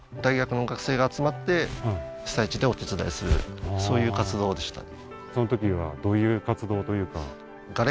ああーでそういう活動でしたね